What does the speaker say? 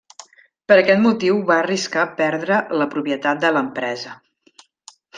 Per aquest motiu va arriscar perdre la propietat de l'empresa.